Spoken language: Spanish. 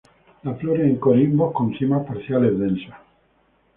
Las flores en corimbos, con cimas parciales densas.